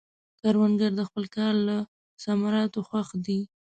کروندګر د خپل کار له ثمراتو خوښ دی